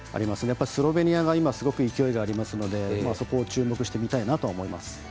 スロベニアが今すごく勢いありますのでそこを注目して見たいなとは思います。